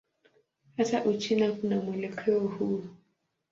Hata Uchina kuna mwelekeo huu.